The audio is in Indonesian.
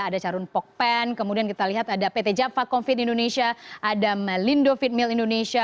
ada carun pokpen kemudian kita lihat ada pt java covid indonesia ada melindo feed mill indonesia